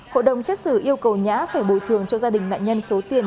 hội đồng xét xử yêu cầu nhã phải bồi thường cho gia đình nạn nhân số tiền